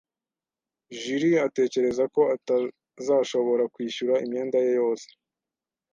Julie atekereza ko atazashobora kwishyura imyenda ye yose